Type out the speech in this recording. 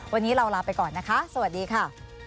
วันนี้เราลาไปก่อนนะคะสวัสดีค่ะ